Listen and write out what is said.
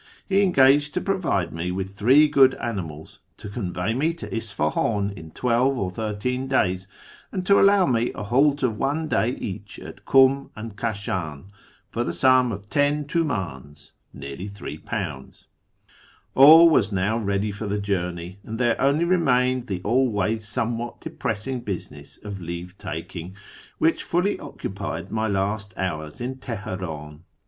He engaged to provide me M'iili three good animals, to convey me to Isfahan in twelve or thirteen days, and to allow me a halt of one day each at Kum and K;isli;'m, for the sum of ten tuDuhis (nearly £3). All was now ready for the journey, and there only re mained the always somewhat depressing business of leave taking, which fully occupied my last hours in Tehenin.